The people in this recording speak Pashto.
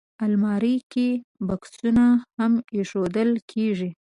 الماري کې بکسونه هم ایښودل کېږي